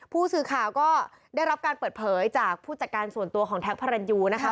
ผู้สื่อข่าวก็ได้รับการเปิดเผยจากผู้จัดการส่วนตัวของแท็กพระรันยูนะคะ